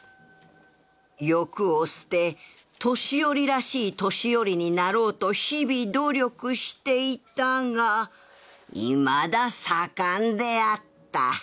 欲を捨て年寄りらしい年寄りになろうと日々努力していたがいまだ盛んであった